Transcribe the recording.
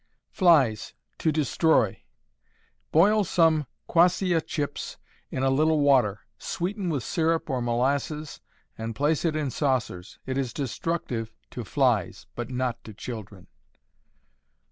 Flies, to Destroy. Boil some quassia chips in a little water, sweeten with syrup or molasses, and place it in saucers. It is destructive to flies, but not to children.